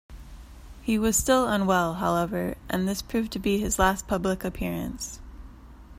He was still unwell, however, and this proved to be his last public appearance.